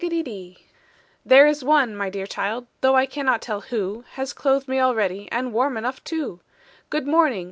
"There is one, my dear child, though I cannot tell who, Has clothed me already, and warm enough too. Good morning!